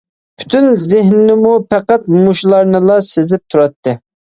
پۈتۈن زېھنىمۇ پەقەت مۇشۇلارنىلا سېزىپ تۇراتتى.